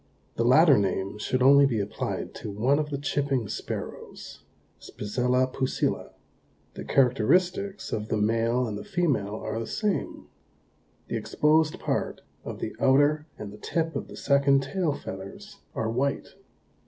The latter name should only be applied to one of the Chipping Sparrows (Spizella pusilla). The characteristics of the male and the female are the same. The exposed part of the outer and the tip of the second tail feathers are white.